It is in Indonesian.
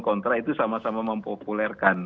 kontra itu sama sama mempopulerkan